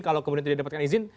kalau kemudian tidak dapatkan izin